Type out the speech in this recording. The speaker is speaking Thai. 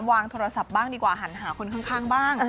วางโทรศัพท์บ้างดีกว่าหันหาคนข้างบ้าง